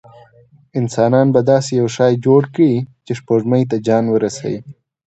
انسان به داسې یو شی جوړ کړي چې سپوږمۍ ته ځان ورسوي.